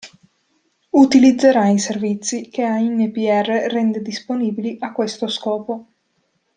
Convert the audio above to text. Utilizzerà i servizi che ANPR rende disponibili a questo scopo.